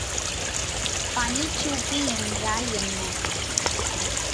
பனிச்சூப்பி என்றால் என்ன?